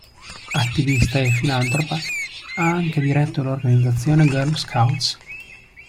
Attivista e filantropa, ha anche diretto l'organizzazione Girl Scouts.